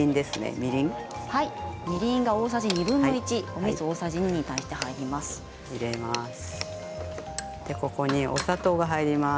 みりんが大さじ２分の１おみそ大さじ２に対して入ります。